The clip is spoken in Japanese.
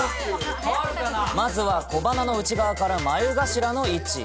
まずは小鼻の内側から眉頭の位置。